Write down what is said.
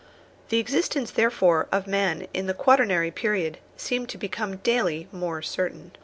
The existence therefore of man in the quaternary period seemed to become daily more certain.